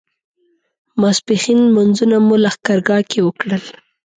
ماسپښین لمونځونه مو لښکرګاه کې وکړل.